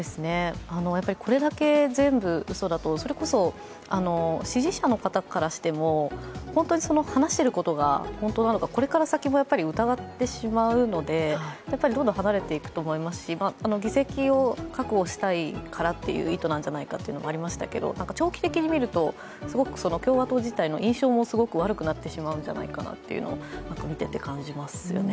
これだけ全部うそだとそれこそ支持者の方からしても話していることが本当なのか、これから先も疑ってしまうので、どんどん離れていくと思いますし議席を確保したいという意図なんじゃないかとありましたけれども長期的に見るとすごく共和党自体の印象もすごく悪くなってしまうんじゃないかなって思いますよね。